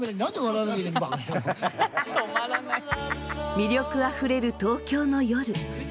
魅力あふれる東京の夜。